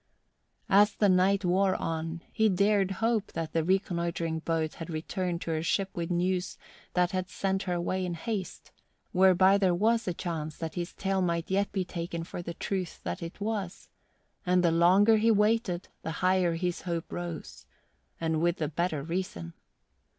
As the night wore on, he dared hope that the reconnoitering boat had returned to her ship with news that had sent her away in haste, whereby there was a chance that his tale might yet be taken for the truth that it was; and the longer he waited the higher rose his hope, and with the better reason.